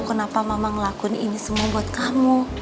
kenapa mama ngelakuin ini semua buat kamu